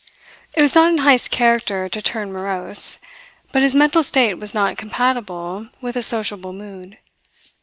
It was not in Heyst's character to turn morose; but his mental state was not compatible with a sociable mood.